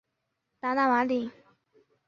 达讷马里。